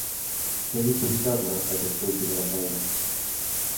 Què dipositava aquest últim a la taula?